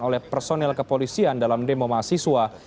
oleh personel kepolisian dalam demo mahasiswa